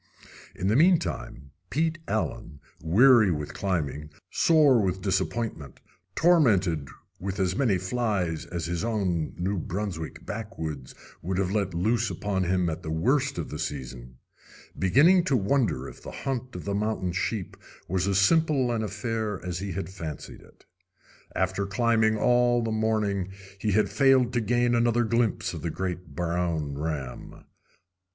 In the meantime, Pete Allen, weary with climbing, sore with disappointment, tormented with as many flies as his own New Brunswick backwoods would have let loose upon him at the worst of the season, was beginning to wonder if the hunt of the mountain sheep was as simple an affair as he had fancied it. After climbing all the morning he had failed to gain another glimpse of the great brown ram.